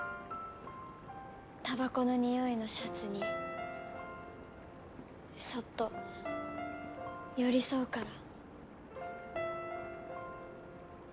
煙草の匂いのシャツにそっと寄りそうから」。